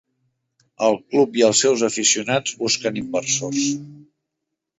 El club i els seus aficionats busquen inversors.